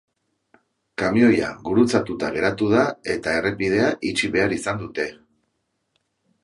Kamioia gurutzatuta geratu da, eta errepidea itxi behar izan dute.